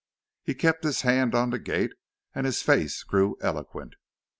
He kept his hand on the gate, and his face grew eloquent.